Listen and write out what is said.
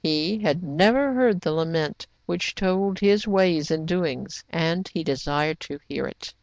He had never heard the lament which told his ways and doings, and he desired to hear it.